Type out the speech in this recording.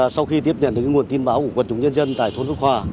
sau khi tiếp nhận được nguồn tin báo của quân chủ nhân dân tại thôn phúc hòa